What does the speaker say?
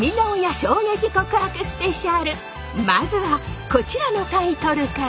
まずはこちらのタイトルから！